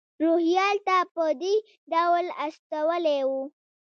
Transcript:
روهیال ته په دې ډول استولی و.